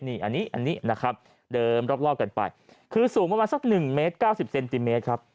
นี่อันนี้นะครับเดินรอบกันไปคือสูงประมาณสัก๑เมตร๙๐เซนติเมตรครับ